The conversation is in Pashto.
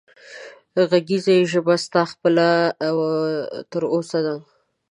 غږېږه ژبه ستا خپله تر اوسه ده